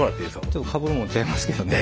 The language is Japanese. ちょっとかぶるもん違いますけどね。